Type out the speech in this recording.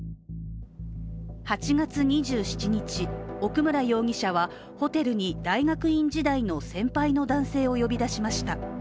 ８月２７日、奥村容疑者は、ホテルに大学院時代の先輩の男性を呼び出しました。